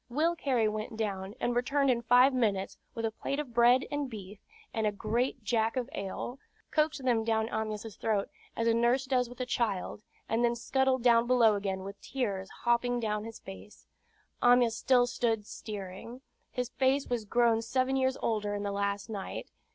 Will Cary went down, and returned in five minutes, with a plate of bread and beef, and a great jack of ale, coaxed them down Amyas' throat, as a nurse does with a child, and then scuttled below again with tears hopping down his face. Amyas stood still steering. His face was grown seven years older in the last night.